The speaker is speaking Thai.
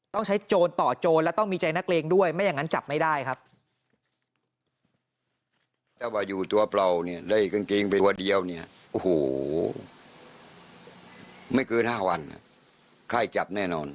ต้องใช้โจรต่อโจรและต้องมีใจนักเลงด้วยไม่อย่างนั้นจับไม่ได้ครับ